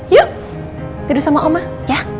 yuk tidur sama oma ya